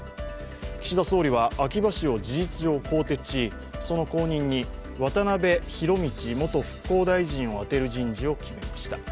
岸田総理は秋葉氏を事実上更迭しその後任に渡辺博道元復興大臣を充てる人事を決めました。